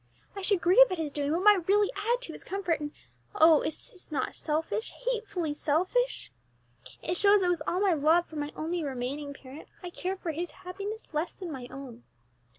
I should grieve at his doing what might really add to his comfort; and oh! is not this selfish, hatefully selfish? It shows that with all my love for my only remaining parent, I care for his happiness less than my own.